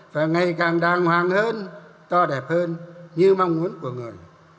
và ngày càng đàng hoàng hơn to đẹp hơn như mong muốn của người